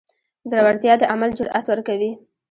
زړورتیا د عمل جرئت ورکوي.